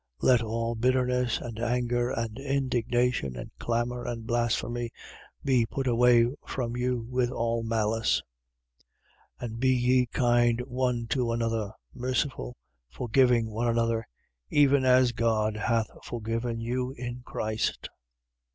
4:31. Let all bitterness and anger and indignation and clamour and blasphemy be put away from you, with all malice. 4:32. And be ye kind one to another: merciful, forgiving one another, even as God hath forgiven you in Christ.